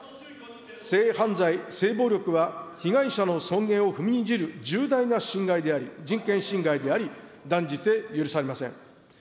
性犯罪、性暴力は被害者の尊厳を踏みにじる重大な侵害であり、人権侵害であり、断じて許されません。